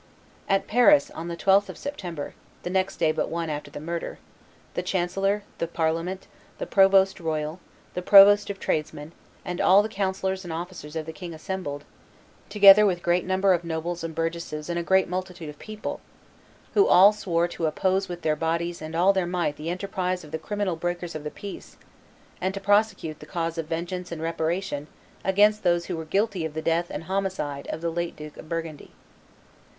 At Paris, on the 12th of September, the next day but one after the murder, the chancellor, the parliament, the provost royal, the provost of tradesmen, and all the councillors and officers of the king assembled, "together with great number of nobles and burgesses and a great multitude of people," who all swore "to oppose with their bodies and all their might the enterprise of the criminal breakers of the peace, and to prosecute the cause of vengeance and reparation against those who were guilty of the death and homicide of the late Duke of Burgundy."